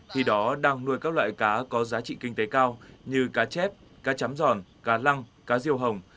khi đó đang nuôi các loại cá có giá trị kinh tế cao như cá chép cá chấm giòn cá lăng cá riêu hồng